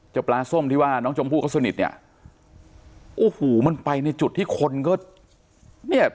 ปลาส้มที่ว่าน้องชมพู่เขาสนิทเนี่ยโอ้โหมันไปในจุดที่คนก็เนี่ย